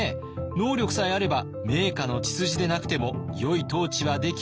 能力さえあれば名家の血筋でなくてもよい統治はできるというに」。